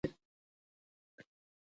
د درد احساس یو بل مهم حس دی.